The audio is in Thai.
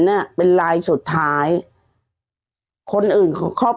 หัวใจก็ต้องแตกสลายเหมือนพวกฉัน